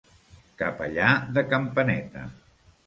Capellà de campaneta.